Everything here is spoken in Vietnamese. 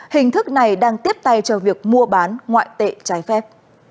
hình thức này đang tiếp tay cho việc mua bán ngoại tệ trái phép